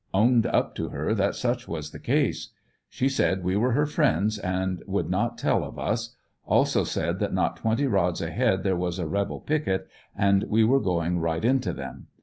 Owned up to her that such was the case. She said we were her friends, and would not tell of us. Also said that not twenty rods ahead there was a rebel picket, and w^e were going right into them.